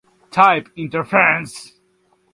Type inference